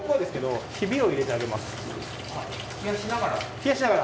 冷やしながら？